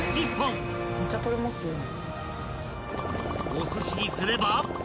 ［お寿司にすれば］